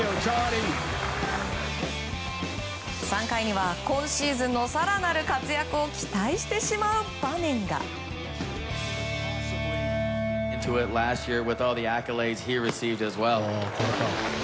３回には今シーズンの更なる活躍を期待してしまう場面が。